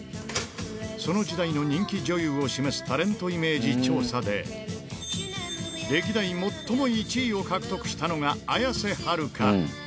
その時代の人気女優を示すタレントイメージ調査で、歴代最も１位を獲得したのが綾瀬はるか。